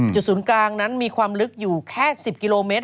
จุดศูนย์กลางนั้นมีความลึกอยู่แค่๑๐กิโลเมตร